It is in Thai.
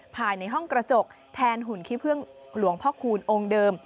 ภายในห้องกระจกแทนหุ่นขี้พึ่งหลวงพ่อคูณองค์เดิม